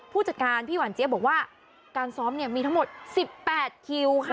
ผู้จัดการพี่หวานเจี๊ยบอกว่าการซ้อมเนี่ยมีทั้งหมด๑๘คิวค่ะ